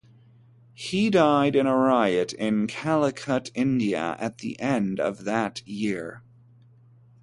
He died in a riot in Calicut, India, at the end of that year.